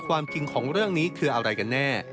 ความจริงของเรื่องนี้คืออะไรกันแน่